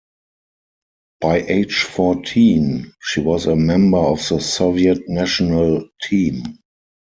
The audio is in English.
By age fourteen, she was a member of the Soviet national team.